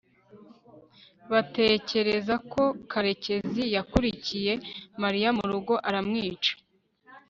batekereza ko karekezi yakurikiye mariya murugo aramwica